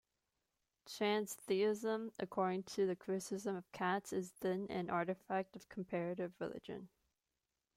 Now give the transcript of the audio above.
"Transtheism", according to the criticism of Katz, is then an artifact of comparative religion.